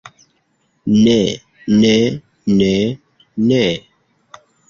Ne ne ne ne.